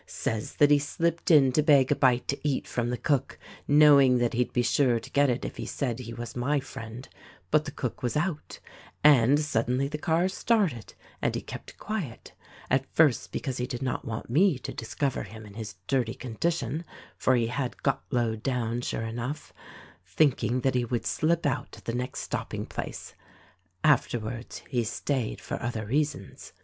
Says that he slipped in to beg a bite to eat from the cook — knowing that he'd be sure to get it if he said he was my friend ; but the cook was out, and, suddenly the car started — and he kept quiet; at first because he did not want me to discover him in his dirty condition, — for he had got low down, sure enough — thinking that he would slip out at the next stop ping place. Afterwards he staid for other reasons.